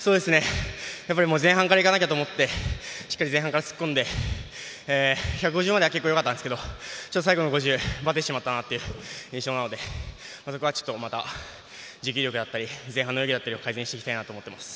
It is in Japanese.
前半から行かなきゃと思ってしっかり前半から突っ込んで１５０まではよかったんですが最後の５０ばててしまったなという印象なのでそこはまた、持久力だったり前半の泳ぎだったりを改善していきたいなと思っています。